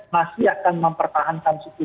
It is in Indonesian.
masih akan mempertahankan suku